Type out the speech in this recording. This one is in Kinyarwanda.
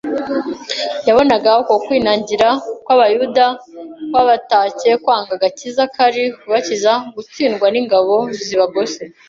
Yabonaga uko kwinangira kw'abayuda kwabatcye kwanga agakiza kari kubakiza gutsindwa n'ingabo zibagose.